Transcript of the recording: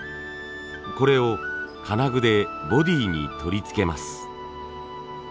これを金具でボディーに取り付けます。